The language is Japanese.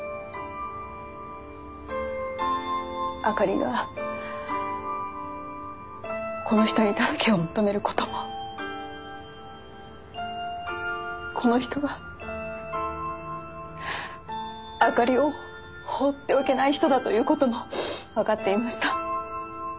あかりがこの人に助けを求める事もこの人があかりを放っておけない人だという事もわかっていました。